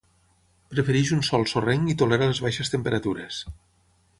Prefereix un sòl sorrenc i tolera les baixes temperatures.